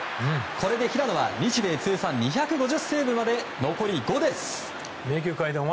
これで平野は日米通算２５０セーブまで残り５です。